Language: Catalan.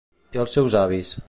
I els seus avis?